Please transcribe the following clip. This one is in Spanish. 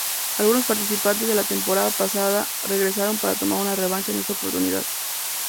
Algunos participantes de la temporada pasada regresaron para tomar una revancha en esta oportunidad.